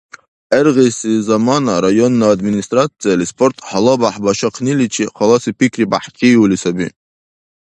ГӀергъиси замана районна администрацияли спорт гьалабяхӀ башахъниличи халаси пикри бяхӀчииули саби.